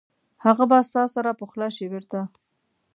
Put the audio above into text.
هغه به ساه سره پخلا شي بیرته؟